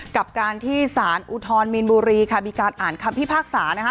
กับการที่ศาลอุทรมีนบุรีมีการอ่านคำพิพากษา